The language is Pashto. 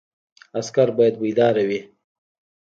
عسکر باید بیدار وي